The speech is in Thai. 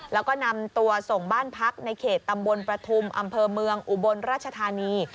แล้วก็นำตัวส่งบ้านพักในเขตตำบลประทุมอำเภอเมืองอุบลราชธานี